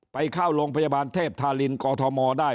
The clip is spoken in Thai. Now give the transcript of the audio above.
ไปเข้าโรงพยาบาลเทพธารินกอทมได้